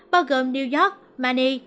bao gồm new york manny